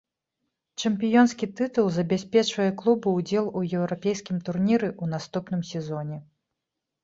Чэмпіёнскі тытул забяспечвае клубу ўдзел у еўрапейскім турніры ў наступным сезоне.